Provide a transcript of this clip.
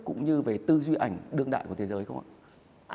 cũng như về tư duy ảnh đương đại của thế giới không ạ